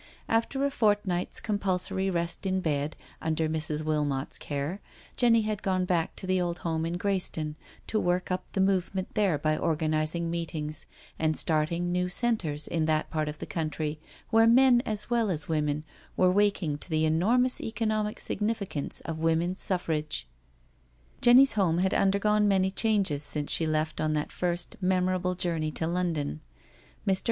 After a fortnight's compulsory rest in bed, under Mrs. Wilmot*s care, Jenny had gone back to the old home in Greyston to work up the Movement thete by organising meetings, and starting new centres in that part of the country where men as well as women were waking to the enormous economic significance of Wo man's Suffrage. Jenny's home had undergone many changes since she left on that first memorable journey to London. Mr.